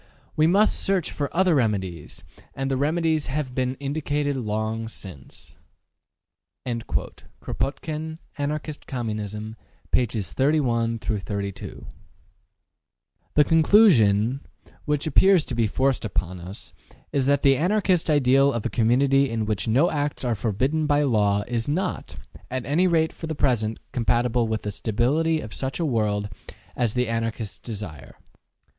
We must search for other remedies, and the remedies have been indicated long since.'' Kropotkin, ``Anarchist Communism,'' pp. 31 32. ``Anarchist Communism,'' p. 27. The conclusion, which appears to be forced upon us, is that the Anarchist ideal of a community in which no acts are forbidden by law is not, at any rate for the present, compatible with the stability of such a world as the Anarchists desire.